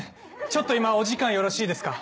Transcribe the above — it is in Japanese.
ちょっと今お時間よろしいですか？